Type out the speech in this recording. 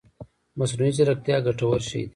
مصنوعي ځيرکتيا ګټور شی دی